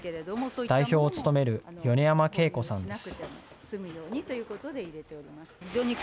代表を務める米山けい子さんです。